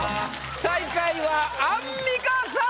最下位はアンミカさん。